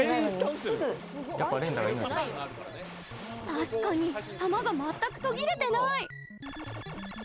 確かに弾が全く途切れてない。